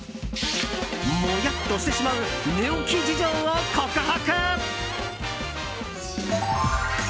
モヤッとしてしまう寝起き事情を告白！